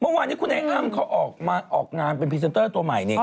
เมื่อวานนี้คุณไอ้อ้ำเขาออกมาออกงานเป็นพรีเซนเตอร์ตัวใหม่นี่